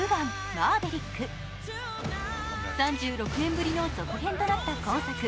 ３６年ぶりの続編となった今作。